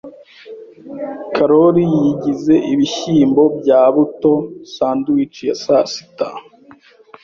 Karoli yigize ibishyimbo bya buto sandwich ya sasita.